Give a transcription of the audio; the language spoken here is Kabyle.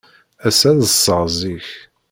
Ass-a, ad ḍḍseɣ zik.